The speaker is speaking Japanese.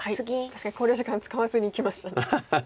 確かに考慮時間使わずにいきましたね。